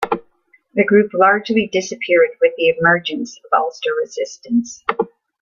The group largely disappeared with the emergence of Ulster Resistance.